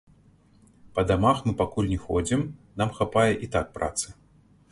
Па дамах мы пакуль не ходзім, нам хапае і так працы.